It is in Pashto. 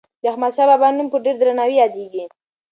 د احمدشاه بابا نوم په ډېر درناوي یادیږي.